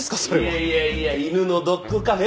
いやいやいや犬のドッグカフェ？